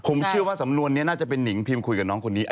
ผมเชื่อว่าสำนวนนี้น่าจะเป็นนิงพิมพ์คุยกับน้องคนนี้